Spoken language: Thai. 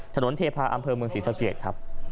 เทพาะอำเภอเมืองศรีสะเกดครับ